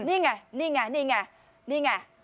นี่ไง